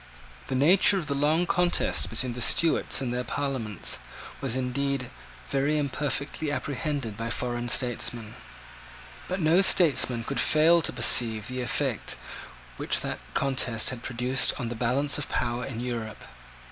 The nature of the long contest between the Stuarts and their Parliaments was indeed very imperfectly apprehended by foreign statesmen: but no statesman could fail to perceive the effect which that contest had produced on the balance of power in Europe.